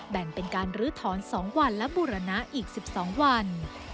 แบ่งเป็นการลื้อถอน๒วันและบูรณะอีก๑๒วัน